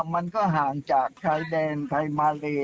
มันก็ห่างจากชายแดนไทยมาเล